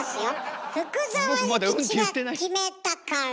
福沢諭吉が決めたから。